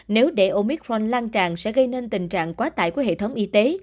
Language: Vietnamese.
nếu để omitforn lan tràn sẽ gây nên tình trạng quá tải của hệ thống y tế